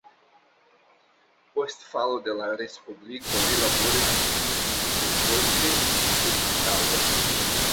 Post falo de la respubliko li laboris en kliniko, poste en hospitalo.